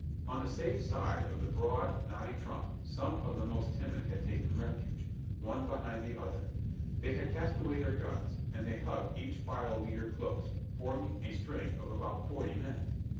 On the safe side of the broad, knotty trunk some of the most timid had taken refuge, one behind the other. They had cast away their guns and they hugged each file leader close, forming a string of about forty men.